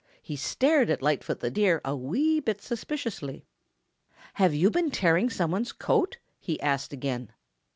He stared at Lightfoot the Deer a wee bit suspiciously. "Have you been tearing somebody's coat?" he asked again.